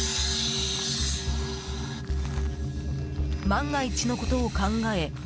万が一のことを考え